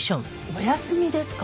お休みですか？